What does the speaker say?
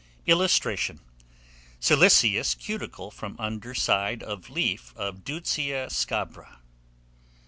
[Illustration: SILICEOUS CUTICLE FROM UNDER SIDE OF LEAF OF DEUTZIA SCABRA.